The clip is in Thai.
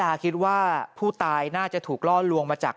หลังจากพบศพผู้หญิงปริศนาตายตรงนี้ครับ